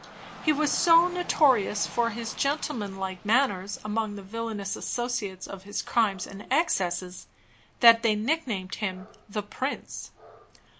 He was so notorious for his gentleman like manners among the villainous associates of his crimes and excesses, that they nicknamed him "the Prince."